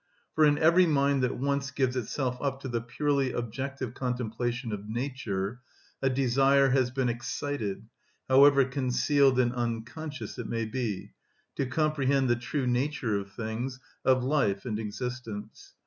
For in every mind that once gives itself up to the purely objective contemplation of nature a desire has been excited, however concealed and unconscious it may be, to comprehend the true nature of things, of life and existence.